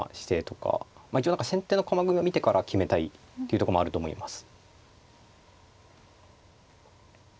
一応何か先手の駒組みを見てから決めたいっていうとこもあると思います。